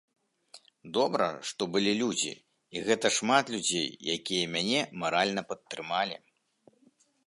Добра, што былі людзі, і гэта шмат людзей, якія мяне маральна падтрымалі.